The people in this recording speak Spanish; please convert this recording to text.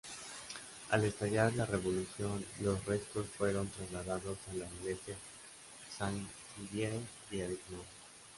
Al estallar la Revolución los restos fueron trasladados a la iglesia Saint-Didier de Avignon.